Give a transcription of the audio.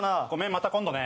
また今度ね